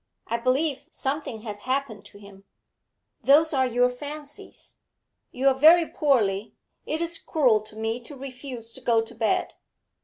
I believe something has happened to him.' 'Those are your fancies. You are very poorly; it is cruel to me to refuse to go to bed.'